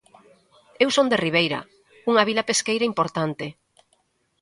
Eu son de Ribeira, unha vila pesqueira importante.